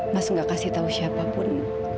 mas gak kasih tahu siapapun